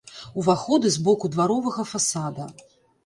Уваходы з боку дваровага фасада.